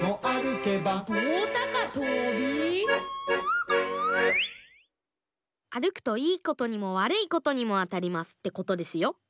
あるくといいことにもわるいことにもあたりますってことですよ。